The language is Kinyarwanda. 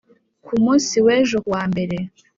Ku munsi w’ejo ku wa mbere,